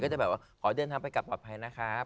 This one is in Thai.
จะแบบว่าขอเดินทางไปกลับปลอดภัยนะครับ